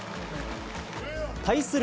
対する